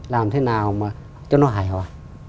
làm thế nào mà cho nó hài hòa